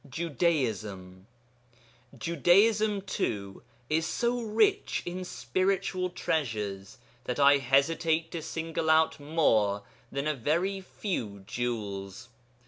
JUDAISM Judaism, too, is so rich in spiritual treasures that I hesitate to single out more than a very few jewels.